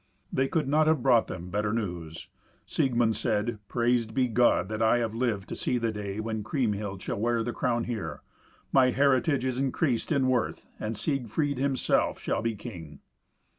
They could not have brought them better news. Siegmund said, "Praised be God that I have lived to see the day when Kriemhild shall wear the crown here. My heritage is increased in worth, and Siegfried himself shall be king."